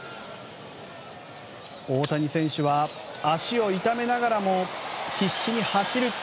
大谷選手は足を痛めながらも必死に走る。